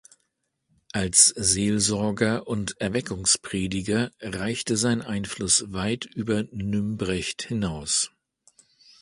Als Seelsorger und Erweckungsprediger reichte sein Einfluss weit über Nümbrecht hinaus.